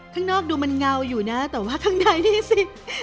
ข้างนอกดูมันเงาอยู่นะแต่ว่าข้างในนี่สิ